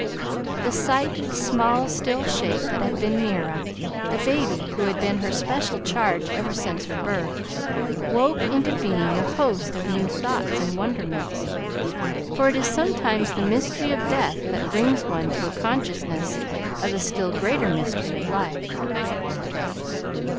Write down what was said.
The sight of the small still shape that had been Mira, the baby who had been her special charge ever since her birth, woke into being a host of new thoughts and wonderments; for it is sometimes the mystery of death that brings one to a consciousness of the still greater mystery of life.